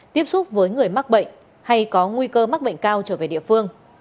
tiếp xúc với người mắc bệnh hay có nguy cơ mắc bệnh cao trở về địa phương